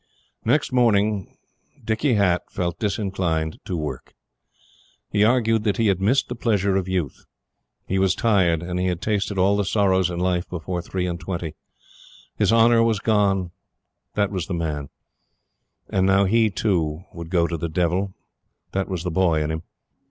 Next morning, Dicky Hatt felt disinclined to work. He argued that he had missed the pleasure of youth. He was tired, and he had tasted all the sorrow in life before three and twenty. His Honor was gone that was the man; and now he, too, would go to the Devil that was the boy in him.